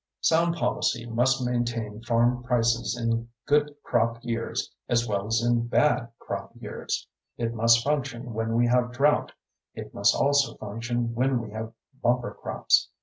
Sound policy must maintain farm prices in good crop years as well as in bad crop years. It must function when we have drought; it must also function when we have bumper crops.